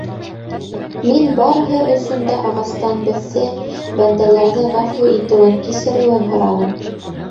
Мин барыһы өсөн дә ағастан беҙҙе, бәндәләрҙе, ғәфү итеүен, кисереүен һораным.